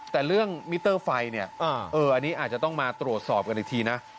แต่เรื่องมิเตอร์ไฟเนี่ยอันนี้อาจจะต้องมาตรวจสอบกันอีกทีนะ